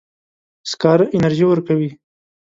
سکاره انرژي ورکوي.